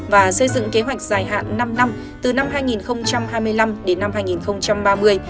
và xây dựng kế hoạch dài hạn năm năm từ năm hai nghìn hai mươi năm đến năm hai nghìn ba mươi